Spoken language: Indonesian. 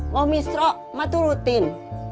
mau mistrok emak turutin